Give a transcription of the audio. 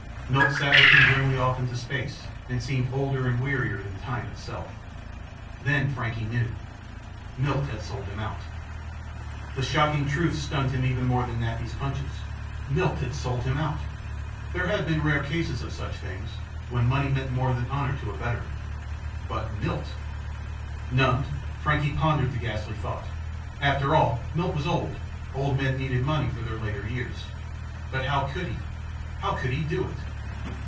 Milt sat looking grimly off into space and seemed older and wearier than time itself. Then Frankie knew. Milt had sold him out! The shocking truth stunned him even more than Nappy's punches. Milt had sold him out! There had been rare cases of such things. When money meant more than honor to a veteran. But Milt! Numbed, Frankie pondered the ghastly thought. After all, Milt was old. Old men needed money for their later years. But how could he? How could he do it?